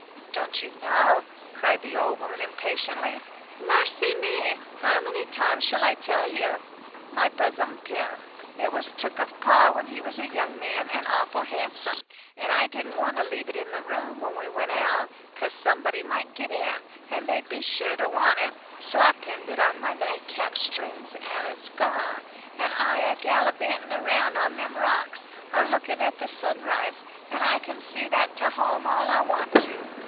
"Don't you know?" cried the old woman, impatiently. "Mercy me! how many times shall I tell you? My buzzom pin; it was took of Pa when he was a young man and awful handsome, and I didn't want to leave it in the room when we went out, cause somebody might get in, and they'd be sure to want it, so I pinned it on my nightcap strings and it's gone, and I a gallivanting round on them rocks, a looking at the sunrise, and I can see that to home all I want to.